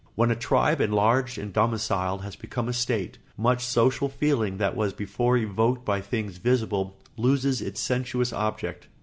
When a tribe, enlarged and domiciled, has become a state, much social feeling that was before evoked by things visible loses its sensuous object.